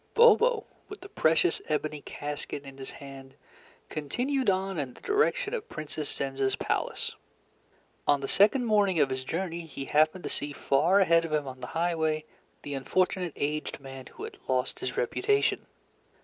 Bobo, with the precious ebony casket in his hand, continued on in the direction of Princess Zenza's palace. On the second morning of his journey, he happened to see far ahead of him on the highway the unfortunate aged man who had lost his reputation.